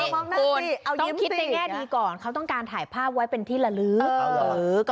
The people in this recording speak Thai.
คุณต้องคิดได้แน่ก่อนเขาต้องการถ่ายภาพไว้เป็นที่ละลึก